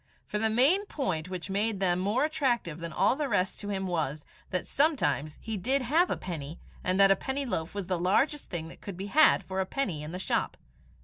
For the main point which made them more attractive than all the rest to him was, that sometimes he did have a penny, and that a penny loaf was the largest thing that could be had for a penny in the shop.